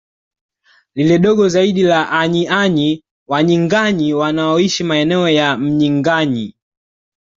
Lile dogo zaidi la AnyiÅanyi Wanyinganyi wanaoishi maeneo ya Mnyinganyi